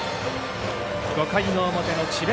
５回の表の智弁